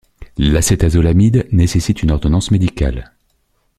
L'acétazolamide nécessite une ordonnance médicale.